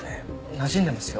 なじんでますよ